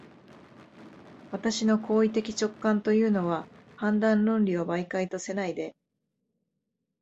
私の行為的直観というのは、判断論理を媒介とせないで、